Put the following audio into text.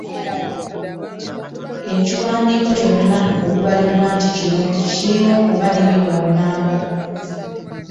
Ekiwandiiko kyonna okubalibwa nti kirungi kirina okuba ne bino wammanga;